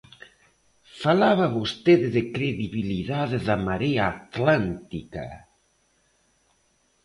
Falaba vostede de credibilidade da Marea Atlántica.